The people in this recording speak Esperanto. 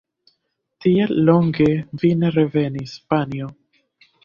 Tiel longe vi ne revenis, panjo!